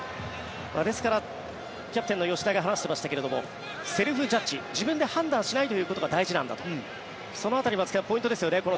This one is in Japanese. ですからキャプテンの吉田が話していましたが自分でジャッジしないことが大事だとその辺がポイントですよね。